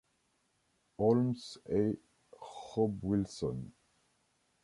Holmes et Rob Wilson.